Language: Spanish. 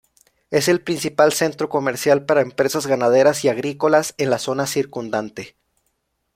Es el principal centro comercial para empresas ganaderas y agrícolas en la zona circundante.